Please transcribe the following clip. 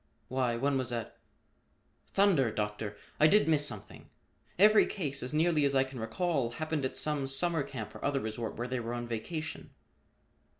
"Why, one was at Thunder, Doctor! I did miss something. Every case, as nearly as I can recall, happened at some summer camp or other resort where they were on vacation."